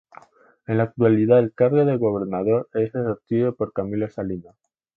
En la actualidad el cargo de gobernador es ejercido por Camilo Salinas.